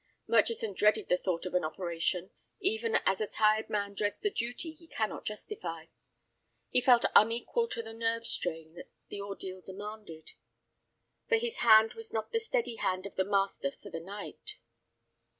Murchison dreaded the thought of an operation, even as a tired man dreads the duty he cannot justify. He felt unequal to the nerve strain that the ordeal demanded, for his hand was not the steady hand of the master for the night.